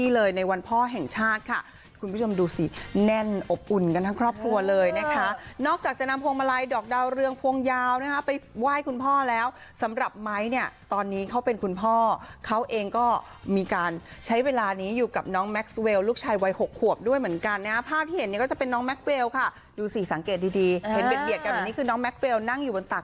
เลยในวันพ่อแห่งชาติค่ะคุณผู้ชมดูสิแน่นอบอุ่นกันทั้งครอบครัวเลยนะคะนอกจากจะนำพวงมาลัยดอกดาวเรืองพวงยาวนะฮะไปไหว้คุณพ่อแล้วสำหรับไหม้เนี่ยตอนนี้เขาเป็นคุณพ่อเขาเองก็มีการใช้เวลานี้อยู่กับน้องแม็กซ์เวลลูกชายวัยหกขวบด้วยเหมือนกันนะฮะภาพที่เห็นเนี่ยก็จะเป็นน้องแม็กเวลค